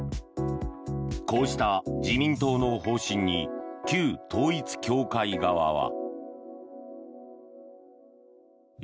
こうした自民党の方針に旧統一教会側は。